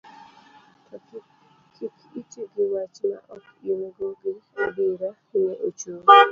to kik iti gi wach ma ok in go gi adiera ni ochung